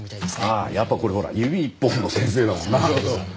ああやっぱこれほら指一本の先生だもんな。